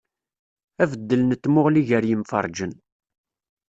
Abeddel n tmuɣli gar yimferǧen.